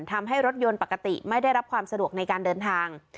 ทำให้รถยนต์ปกติไม่ได้รับความสะดวกในการเดินทาง